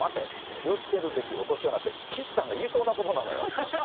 気をつけるべき落とし穴って、岸さんが言いそうなことなのよ。